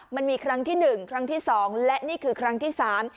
มันมีครั้งที่หนึ่งครั้งที่สองและนี่คือครั้งที่สาม